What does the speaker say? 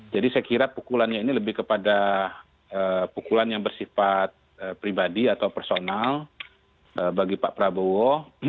jadi saya kira pukulannya ini lebih kepada pukulan yang bersifat pribadi atau personal bagi pak prabowo